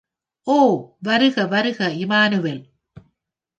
ஓ வருக, வருக இம்மானுவேல்.